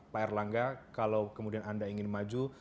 pak erlangga kalau kemudian anda ingin maju